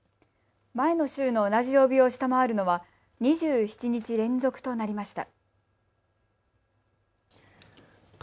前の週の同じ曜日を下回るのは２７日連続となりました。